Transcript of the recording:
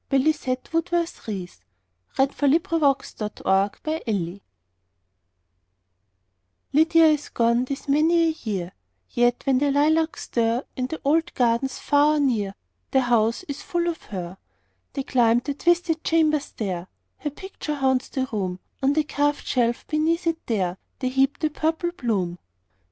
Lizette Woodworth Reese Lydia is gone this many a year LYDIA is gone this many a year, Yet when the lilacs stir, In the old gardens far or near, The house is full of her. They climb the twisted chamber stair; Her picture haunts the room; On the carved shelf beneath it there, They heap the purple bloom.